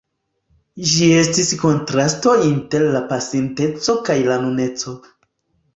Ĝi estis kontrasto inter la pasinteco kaj la nuneco.